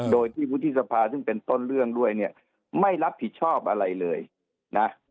โดยที่วุฒิสภาซึ่งเป็นต้นเรื่องด้วยเนี่ยไม่รับผิดชอบอะไรเลยนะ